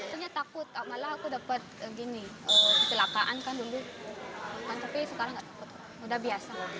ternyata takut malah aku dapat gini kesilakaan kan dulu tapi sekarang tidak takut sudah biasa